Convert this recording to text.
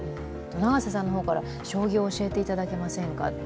永瀬さんの方から、「将棋を教えていただけませんか」と。